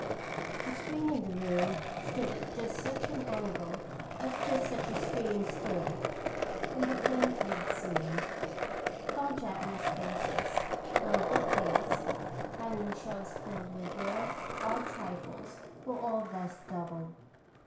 The screen in the room stood at just such an angle as just such a screen stood 75 76 & Strag Reveler. in the painted scene. Tall Japanese vases, low bookcase, hanging shelves filled with rare, odd trifles, were all thus doubled.